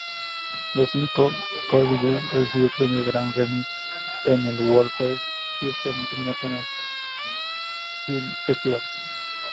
Los Cinco Chōshū recibió el premio Gran Remi en el WorldFest-Houston International Film Festival.